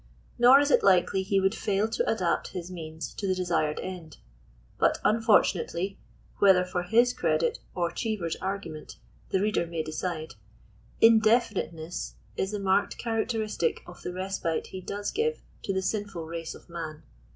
nor is it likely he would fail to adapt his means to the desired end» But unfortunately— whether for Aw credit or Cheever's argument, the reader may decide, — indefiniteness is the marked characteristic of the respite he does give to the sinful race of man.